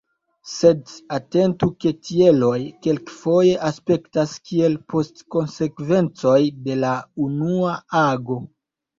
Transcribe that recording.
Sed atentu ke tieloj kelkfoje aspektas kiel postkonsekvencoj de la unua ago.